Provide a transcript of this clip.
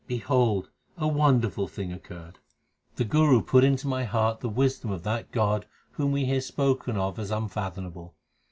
Behold a wonderful thing occurred ! The Guru put into my heart the wisdom of that God whom we hear spoken of as unfathomable.